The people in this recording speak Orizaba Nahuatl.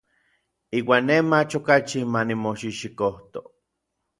Iuan nej mach okachi ma nimoxijxikojto.